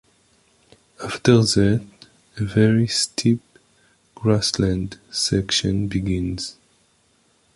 After that, a very steep grassland section begins.